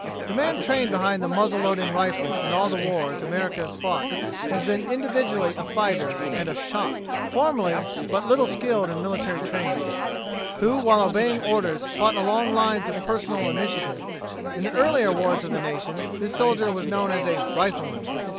] The man trained behind the muzzle loading rifle in all the wars America has fought has been individually a fighter and "a shot," formerly but little skilled in military training, who while obeying orders fought along lines of personal initiative. In the earlier wars of the nation this soldier was known as a "rifleman."